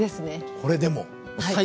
これでも？